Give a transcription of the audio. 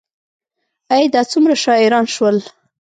ای، دا څومره شاعران شول